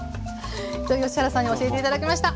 土井善晴さんに教えて頂きました。